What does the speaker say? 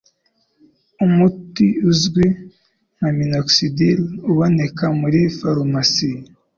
Umuti uzwi nka minoxidil uboneka muri farumasi